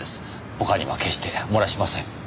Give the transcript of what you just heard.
他には決して漏らしません。